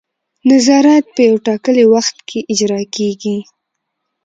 نظارت په یو ټاکلي وخت کې اجرا کیږي.